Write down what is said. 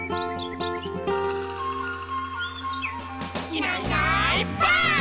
「いないいないばあっ！」